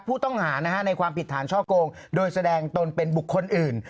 ผู้ต้องหาในความผิดฐานช่อโกงโดยแสดงตนเป็นบุคคลอื่น